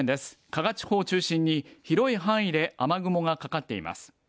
加賀地方を中心に広い範囲で雨雲がかかっています。